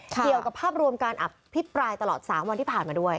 เกี่ยวกับภาพรวมการอภิปรายตลอด๓วันที่ผ่านมาด้วย